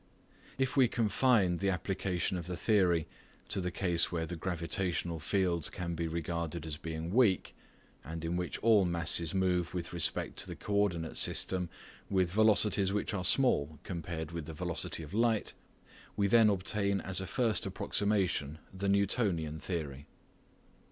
If we confine the application of the theory to the case where the gravitational fields can be regarded as being weak, and in which all masses move with respect to the coordinate system with velocities which are small compared with the velocity of light, we then obtain as a first approximation the Newtonian theory.